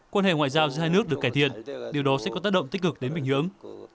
quan hệ ngoại giao giữa hai nước được cải thiện điều đó sẽ có tác động tích cực đến bình nhưỡng